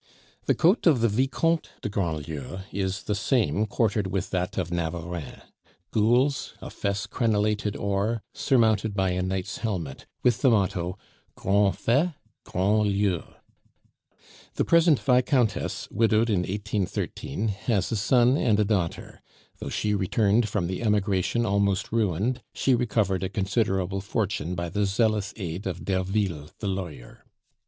The coat of the Vicomtes de Grandlieu is the same quartered with that of Navarreins: gules, a fess crenelated or, surmounted by a knight's helmet, with the motto: Grands faits, grand lieu. The present Viscountess, widowed in 1813, has a son and a daughter. Though she returned from the Emigration almost ruined, she recovered a considerable fortune by the zealous aid of Derville the lawyer.